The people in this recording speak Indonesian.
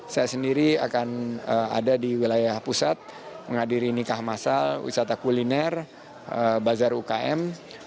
saya sendiri akan ada di wilayah pusat menghadiri nikah masal wisata kuliner bazar ukm